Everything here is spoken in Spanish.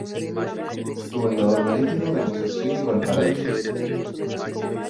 Gobernador marítimo de Concepción y de Valparaíso.